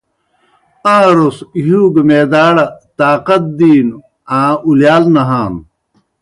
آن٘روْس ہِیؤ گہ معداڑ طاقت دِینوْ آں اُلِیال نہانوْ۔